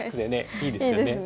いいですね。